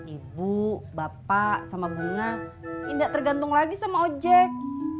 ibu bapak sama bunga tidak tergantung lagi sama ojek